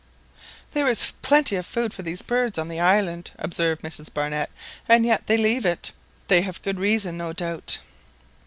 "There is plenty of food for these birds on the island," observed Mrs Barnett, "and yet they leave it—they have a good reason, no doubt."